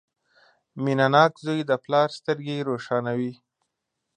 • مینهناک زوی د پلار سترګې روښانوي.